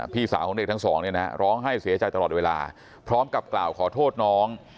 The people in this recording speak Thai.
พี่สาวของเด็กทั้งสองเนี่ยนะร้องไห้เสียใจตลอดเวลาพร้อมกับกล่าวขอโทษน้อง